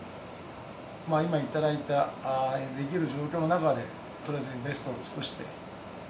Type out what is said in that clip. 今頂いたできる状況の中で、とりあえずベストを尽くして。